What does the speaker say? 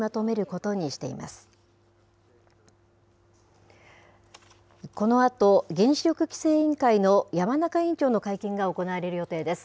このあと、原子力規制委員会の山中委員長の会見が行われる予定です。